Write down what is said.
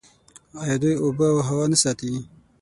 آیا دوی اوبه او هوا نه ساتي؟